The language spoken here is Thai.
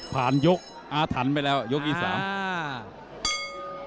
ผ่านยกอาถรรพ์ไปแล้วยกอีกสาม